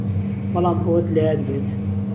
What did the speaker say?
بەڵام ئەوەت لە یاد بێت